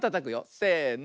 せの。